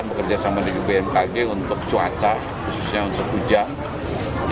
kita bekerja sama bnpb untuk cuaca khususnya untuk hujan